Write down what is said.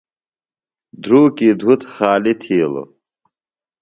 دھرُوکی دُھت خالیۡ تِھیلوۡ۔